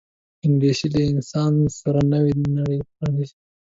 انګلیسي له انسان سره نوې نړۍ پرانیزي